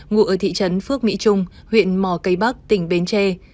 ngụ ở thị trấn phước mỹ trung huyện mò cây bắc tỉnh bến tre